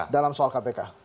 dalam soal kpk